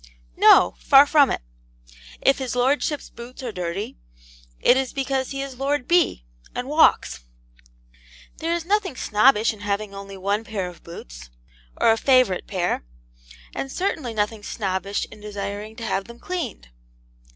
No; far from it. If his lordship's boots are dirty, it is because he is Lord B., and walks. There is nothing snobbish in having only one pair of boots, or a favourite pair; and certainly nothing snobbish in desiring to have them cleaned.